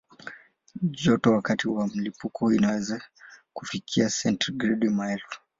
Joto wakati wa mlipuko inaweza kufikia sentigredi maelfu.